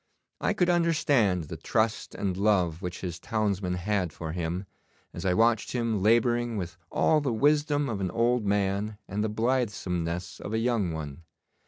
I could understand the trust and love which his townsmen had for him, as I watched him labouring with all the wisdom of an old man and the blithesomeness of a young one.